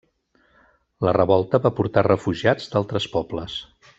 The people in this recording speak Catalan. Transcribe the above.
La revolta va portar refugiats d'altres pobles.